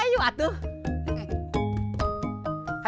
itu udah guna